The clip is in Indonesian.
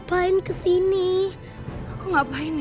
ciwet kesana mutations ini